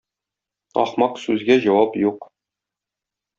Ахмак сүзгә җавап юк.